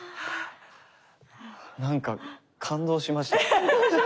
何か感動しました。